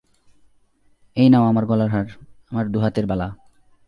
এই নাও আমার গলার হার, আমার দু-হাতের বালা।